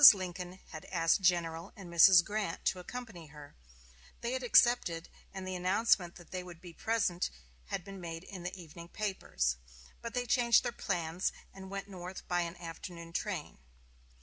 Lincoln had asked General and Mrs. Grant to accompany her; they had accepted, and the announcement that they would be present had been made in the evening papers; but they changed their plans, and went north by an afternoon train.